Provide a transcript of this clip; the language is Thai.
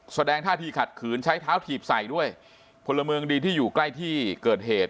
แสดงท่าที่ขัดขืนใช้เท้าถีบใส่ด้วยพลเมืองดีที่อยู่ใกล้ที่เกิดเหตุ